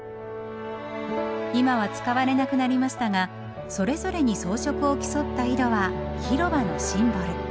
今は使われなくなりましたがそれぞれに装飾を競った井戸は広場のシンボル。